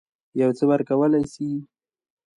یو څه ورکولای سي.